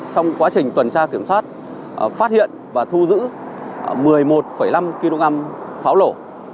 trong quá trình tuần tra kiểm soát phát hiện và thu giữ một mươi một năm kg pháo lổ